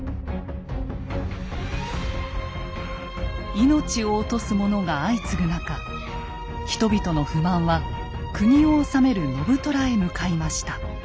命を落とす者が相次ぐ中人々の不満は国を治める信虎へ向かいました。